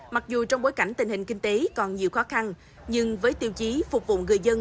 mặc dù trong bối cảnh tình hình kinh tế còn nhiều khó khăn nhưng với tiêu chí phục vụ người dân